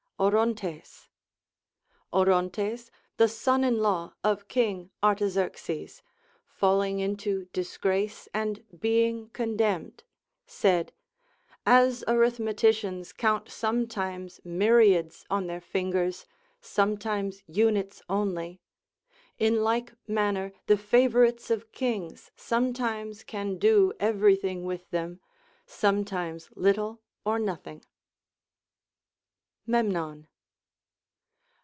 Orontes. Orontes, the son in law of King Artaxerxes, falliuii into diso race and beino: condemned, said : As arith meticians count sometimes myriads on their fingers, some times units only ; in like manner the favorites of kings sometimes can do every thing with them, sometimes little or nothing. AND GREAT COMMANDERS. 189 Memnon.